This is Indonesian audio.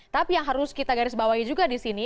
tapi yang harus kita garis bawahi juga di sini